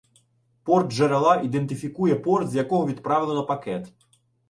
Порт джерела ідентифікує порт, з якого відправлено пакет.